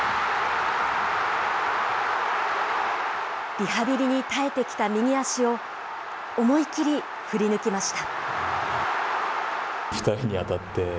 リハビリに耐えてきた右足を、思い切り振り抜きました。